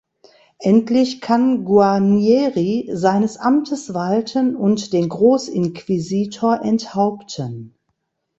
Endlich kann Guarnieri seines Amtes walten und den Großinquisitor enthaupten.